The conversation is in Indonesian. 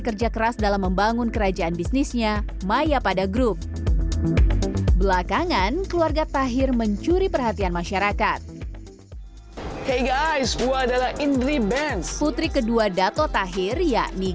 empat gedung yang menjulang tinggi di pusat ibu kota ini